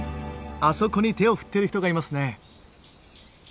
あそこに手を振っている人がいますね。